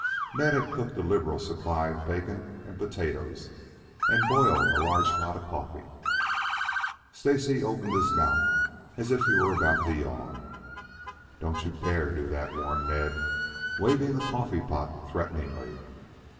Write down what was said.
Ned had cooked a liberal supply of bacon and potatoes and boiled a large pot of coffee. Stacy opened his mouth as if he were about to yawn. "Don't you dare to do that," warned Ned, waving the coffee pot threateningly.